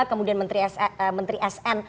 kemudian menteri sn